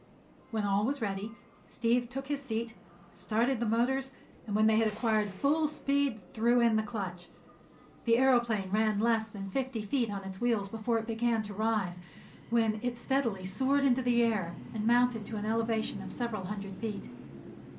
When all was ready Steve took his seat, started the motors, and when they had acquired full speed threw in the clutch. The aëroplane ran less than fifty feet on its wheels before it began to rise, when it steadily soared into the air and mounted to an elevation of several hundred feet.